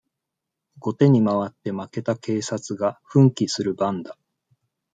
後手にまわって負けた警察が奮起する番だ。